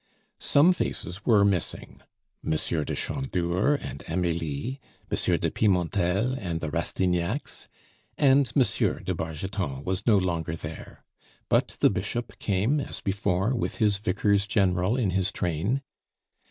Some faces were missing: M. de Chandour and Amelie, M. de Pimental and the Rastignacs and M. de Bargeton was no longer there; but the Bishop came, as before, with his vicars general in his train.